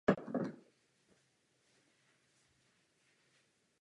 Autorem všech skladeb je John Cale.